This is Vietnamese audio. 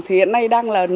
thì hiện nay đang là